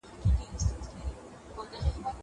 زه به سبا سبزېجات جمع کوم!